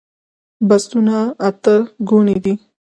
بستونه اته ګوني دي